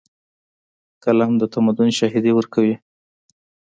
قلم د تمدن شاهدي ورکوي.